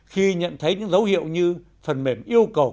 khi nhận thấy những dấu hiệu như phần mềm yêu cầu